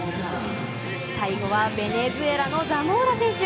最後はベネズエラのザモーラ選手。